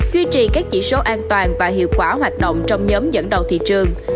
duy trì các chỉ số an toàn và hiệu quả hoạt động trong nhóm dẫn đầu thị trường